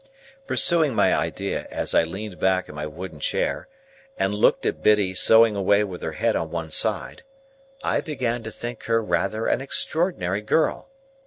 Pursuing my idea as I leaned back in my wooden chair, and looked at Biddy sewing away with her head on one side, I began to think her rather an extraordinary girl.